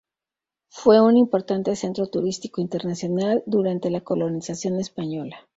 Fue un importante centro turístico internacional durante la colonización española.